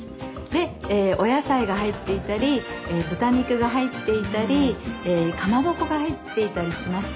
でお野菜が入っていたり豚肉が入っていたりかまぼこが入っていたりします。